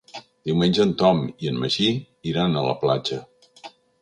Diumenge en Tom i en Magí iran a la platja.